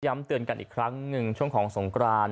เตือนกันอีกครั้งหนึ่งช่วงของสงกราน